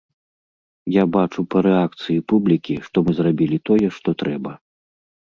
Я бачу па рэакцыі публікі, што мы зрабілі тое, што трэба.